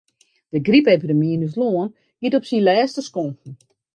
De grypepidemy yn ús lân giet op syn lêste skonken.